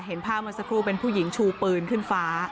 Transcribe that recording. เห็นภาพเมื่อสักครู่เป็นผู้หญิงชูปืนขึ้นฟ้า